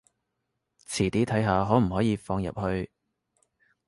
遲啲睇下可唔可以放入去